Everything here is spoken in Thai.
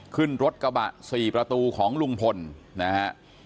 ขึ้นรถกระบะ๔ประตูของลุงพลนะฮะ